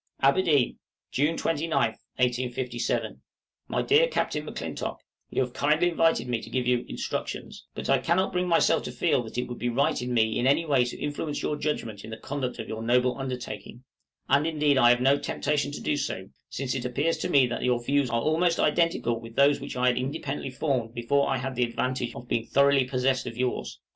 {LADY FRANKLIN'S INSTRUCTIONS.} ABERDEEN, June 29, 1857. MY DEAR CAPTAIN M'CLINTOCK, You have kindly invited me to give you "Instructions," but I cannot bring myself to feel that it would be right in me in any way to influence your judgment in the conduct of your noble undertaking; and indeed I have no temptation to do so, since it appears to me that your views are almost identical with those which I had independently formed before I had the advantage of being thoroughly possessed of yours.